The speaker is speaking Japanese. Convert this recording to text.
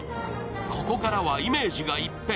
ここからはイメージが一変。